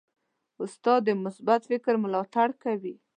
استاد د مثبت فکر ملاتړ کوي.